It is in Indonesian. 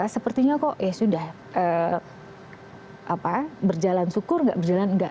sepertinya kok ya sudah berjalan syukur nggak berjalan enggak